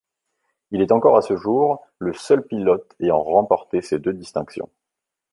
Il est encore à ce jour le seul pilote ayant remporté ces deux distinctions.